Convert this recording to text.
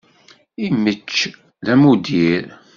Immečč, d amuddir.